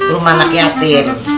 rumah anak yatim